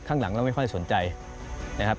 ข้างหลังเราไม่ค่อยสนใจนะครับ